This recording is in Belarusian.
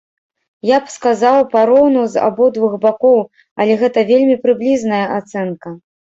Я б сказаў, пароўну з абодвух бакоў, але гэта вельмі прыблізная ацэнка.